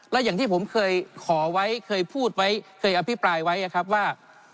แล้วอย่างที่ผมเคยขอไว้เคยพูดไว้เคยอภิปรายไว้นะครับว่า